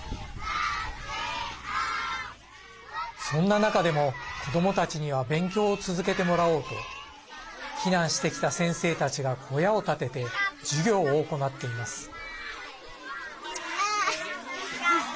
そんな中でも子どもたちには勉強を続けてもらおうと避難してきた先生たちが小屋を建てて授業を行っています。